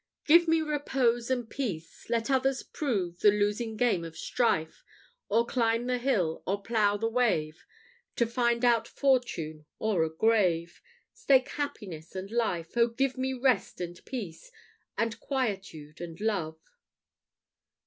I. Give me repose and peace! Let others prove The losing game of strife; Or climb the hill, or plough the wave; To find out fortune or a grave, Stake happiness and life. Oh, give me rest and peace, And quietude and love!